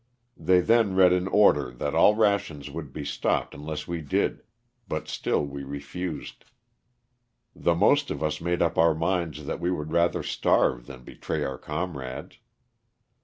They then read an order that all rations would be stopped unless we did, but still we refused. The most of us made up our minds that we would rather starve than betray our comrades.